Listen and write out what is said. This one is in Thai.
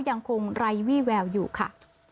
ยังคงไร้วี่แววอยู่ค่ะ